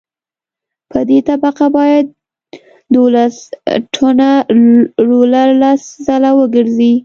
په دې طبقه باید دولس ټنه رولر لس ځله وګرځي